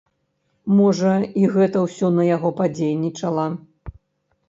Можа, і гэта ўсё на яго падзейнічала.